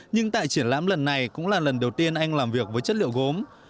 nhưng tại triển lãm lần này cũng là lần đầu tiên anh làm việc với chất liệu gốm